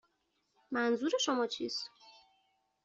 منظور شما چیست؟